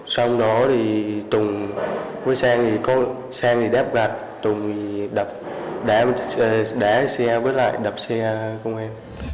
xong đó tùng với sang đép gạt tùng đá xe với lại đập xe